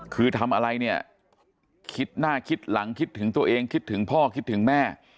คือทำอะไรเนี่ยคิดหน้าคิดหลังคิดถึงตัวเองคิดถึงพ่อคิดถึงแม่